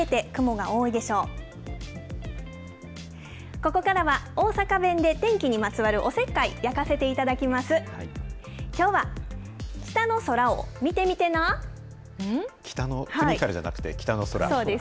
ここからは大阪弁で天気にまつわるおせっかい、やかせていただきます。